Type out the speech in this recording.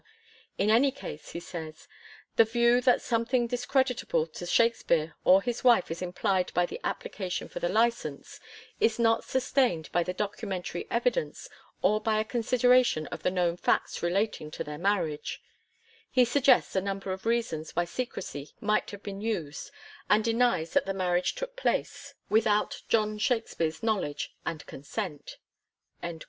'In any case,' he says, p. 60, Hhe view that something discreditable to Shakspere or his wife is implied by the application for the licence is not sustaind by the documentary evidence or by a consideration of the known facts relating to their marriage '; he suggests a number of reasons why secrecy might have been used, and denies that the marriage took place without John Shakspere's knowledge and consent."